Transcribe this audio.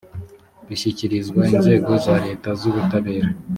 bishyikirizwa inzego za leta z ubutabera